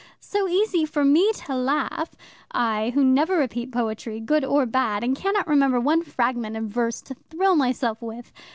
So easy for me to laugh I, who never repeat poetry, good or bad, and cannot remember one fragment of verse to thrill myself with.